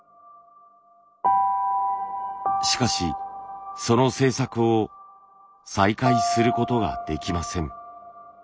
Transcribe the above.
しかしその制作を再開することができません。